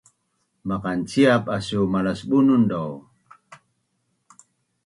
Maqanciap asu malas Bunun dau!